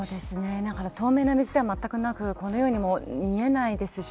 透明な水ではなくこのように見えないですし。